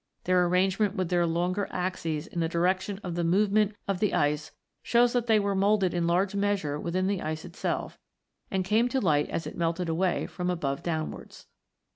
Their arrange ment with their longer axes in the direction of the movement of the ice shows that they were moulded in large measure within the ice itself, and came to light as it melted away from above downwards.